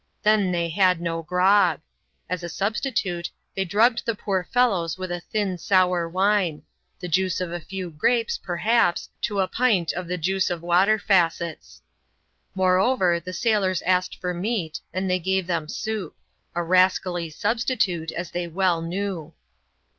Then they had no " grog ;" as a substitute, they drugged the poor fellows with a thin, sour wine— the juice of a few grapes, perhaps, to a pint of the juice of water facets. Moreover, the sailors asked for meat, and they gave them soup ; a rascally sub stitute, as they well knew.